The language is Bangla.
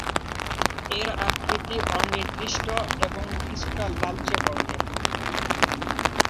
এর আকৃতি অনির্দিষ্ট এবং কিছুটা লালচে বর্ণের।